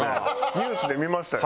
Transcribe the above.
ニュースで見ましたよ。